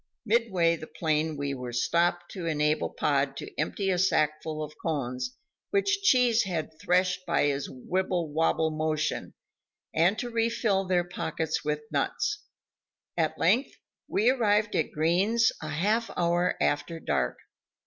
Midway the plain we were stopped to enable Pod to empty a sackful of cones, which Cheese had threshed by his wibble wobble motion, and to refill their pockets with nuts. At length, we arrived at Green's a half hour after dark.